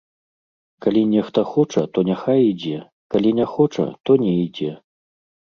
Калі нехта хоча, то няхай ідзе, калі не хоча, то не ідзе.